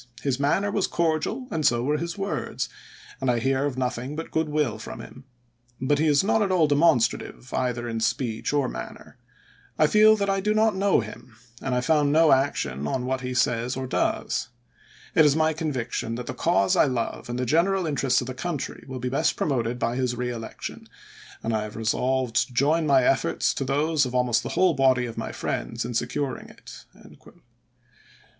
.. His manner was cordial and so were his words ; and I hear of nothing but good will from him. But he is not at all demonstrative, either in speech or manner. I feel that I do not know him, and I found no action on what he says or does. .. It is my convic tion that the cause I love and the general interests of the country will be best promoted by his re election, and I have resolved to join my efforts to those of almost the whole body of my friends in securing it."